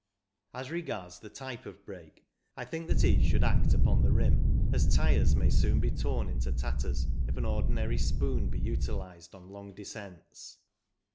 As regards the type of brake, I think that each should act upon the rim, as tyres may soon be torn into tatters if an ordinary spoon be utilised on long descents.